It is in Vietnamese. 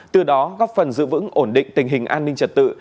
từ đó góp phần giữ vững ổn định tình hình an ninh trật tự